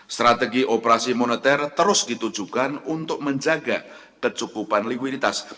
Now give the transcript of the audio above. strategi operasi moneter terus ditujukan untuk menjaga kecukupan likuiditas